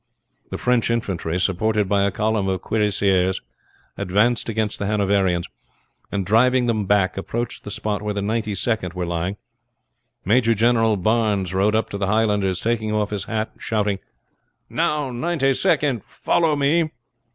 The French infantry, supported by a column of cuirassiers, advanced against the Hanoverians, and driving them back approached the spot where the Ninety second were lying. Major General Barnes rode up to the Highlanders taking off his hat, and shouted: "Now, Ninety second, follow me!"